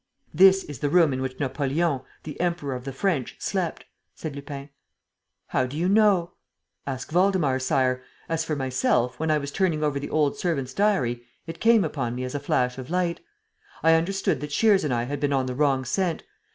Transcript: "This is the room in which Napoleon, the Emperor of the French slept," said Lupin. "How do you know?" "Ask Waldemar, Sire. As for myself, when I was turning over the old servants' diary, it came upon me as a flash of light. I understood that Shears and I had been on the wrong scent.